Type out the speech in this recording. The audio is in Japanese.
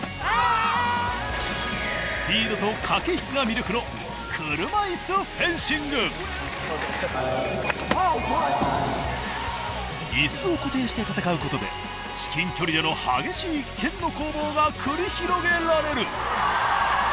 「スピード」と「駆け引き」が魅力のいすを固定して戦うことで至近距離での激しい剣の攻防が繰り広げられる！